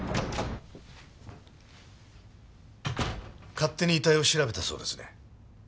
勝手に遺体を調べたそうですね。